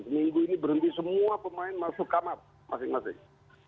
minggu ini berhenti semua pemain masuk kamar masing masing